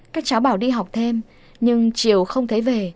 các cháu bảo đi học thêm nhưng chiều không thấy về